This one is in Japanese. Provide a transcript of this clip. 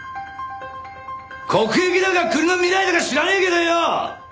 国益だか国の未来だか知らねえけどよ！